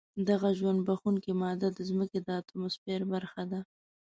دغه ژوند بښونکې ماده د ځمکې د اتموسفیر برخه ده.